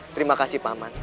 terima kasih paman